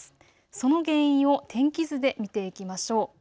その原因を天気図で見ていきましょう。